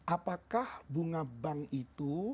apakah bunga bank itu